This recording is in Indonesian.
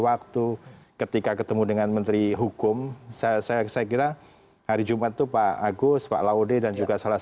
waktu ketika ketemu dengan menteri hukum saya saya kira hari jumat itu pak agus pak laude dan juga salah